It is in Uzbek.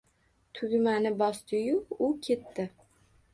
Tugmani bosdiyu u ketdi.